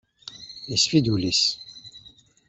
Isfi-d wul-is.